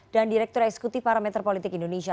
dan direktur eksekutif para metropolitik indonesia